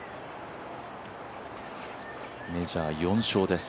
メジャー４勝です。